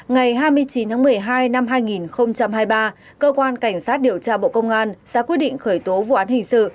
ngày hai mươi chín tháng một mươi hai năm hai nghìn hai mươi ba cơ quan cảnh sát điều tra bộ công an ra quyết định khởi tố vụ án hình sự